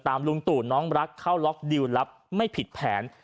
ลุงตู่น้องรักเข้าล็อกดิวลลับไม่ผิดแผน